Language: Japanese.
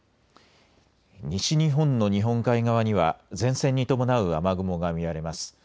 西日本の日本海側には前線に伴う雨雲が見られます。